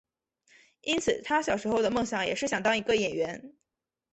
因此他小时候的梦想也是想当一个演员。